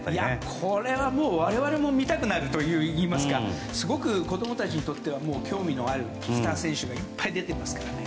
これはもう我々も見たくなるといいますかすごく子供たちにとっては興味のあるスター選手がいっぱい出ていますからね。